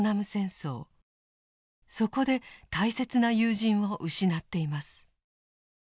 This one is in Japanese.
そこで大切な友人を失っています。